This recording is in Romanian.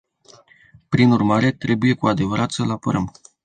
Prin urmare, trebuie cu adevărat să îl apărăm.